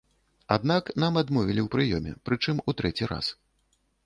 Аднак нам адмовілі ў прыёме, прычым у трэці раз.